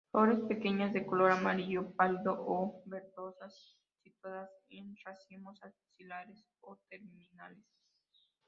Flores pequeñas, de color amarillo pálido o verdosas, situadas en racimos axilares o terminales.